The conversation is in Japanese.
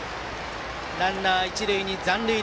ランナー、一塁に残塁。